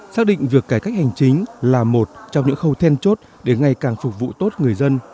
xác định việc cải cách hành chính là một trong những khâu then chốt để ngày càng phục vụ tốt người dân